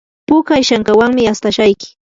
puka ishankawanmi astashayki.